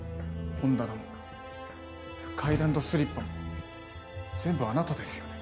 本棚も階段とスリッパも全部あなたですよね。